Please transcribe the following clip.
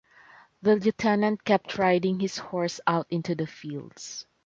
The lieutenant kept riding his horse out into the fields.